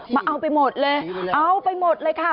เอาไปหมดเลยเอาไปหมดเลยค่ะ